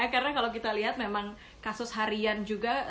karena kalau kita lihat memang kasus harian juga